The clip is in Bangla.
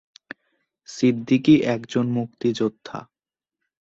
সিদ্দিকী একজন মুক্তিযোদ্ধা।